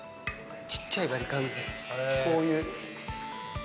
ちっちゃいバリカンで、こういう。